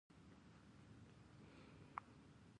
افغانستان زما د پلار وطن دی؟